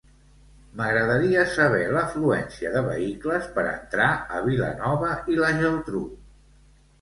M'agradaria saber l'afluència de vehicles per entrar a Vilanova i la Geltrú.